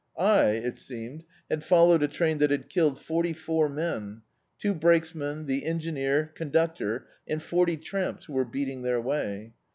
I, it seemed, had followed a train that had killed forty four men — two brakesmen, the engineer, conductor, and forty tramps who were beating their way.